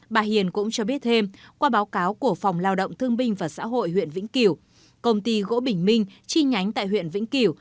bà hiền cũng cho biết thêm qua báo cáo của phòng lao động thương bình và xã hội huyện vĩnh kiểu